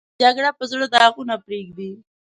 جګړه په زړه داغونه پرېږدي